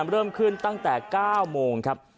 เริ่มขึ้นตั้งแต่๙โมงครับ